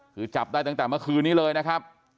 คือจับได้ตั้งแต่เมื่อคืนนี้เลยนะครับ